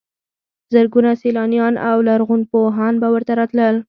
زرګونه سیلانیان او لرغونپوهان به ورته راتلل.